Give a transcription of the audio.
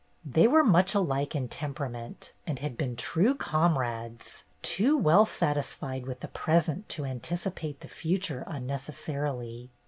They were much alike in temperament, and had been true comrades, too well satisfied with the present to anticipate the future unneces sarily.